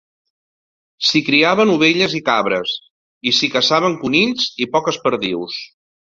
S'hi criaven ovelles i cabres, i s'hi caçaven conills i poques perdius.